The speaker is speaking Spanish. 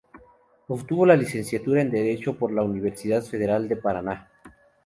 Obtuvo la licenciatura en Derecho por la Universidad Federal de Paraná.